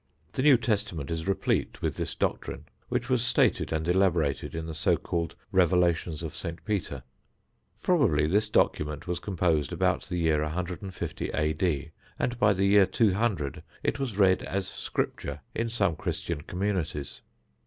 The New Testament is replete with this doctrine, which was stated and elaborated in the so called "Revelations of St. Peter." Probably this document was composed about the year 150 A.D. and by the year 200 it was read as "Scripture" in some Christian communities.